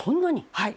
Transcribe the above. はい。